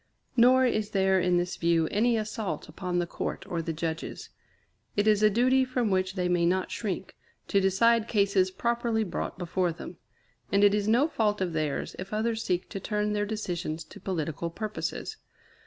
Nor is there in this view any assault upon the Court or the Judges. It is a duty from which they may not shrink, to decide cases properly brought before them; and it is no fault of theirs if others seek to turn their decisions to political purposes.